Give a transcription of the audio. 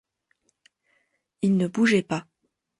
Il ne bougeait pas.